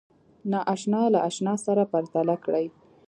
ناآشنا له آشنا سره پرتله کړئ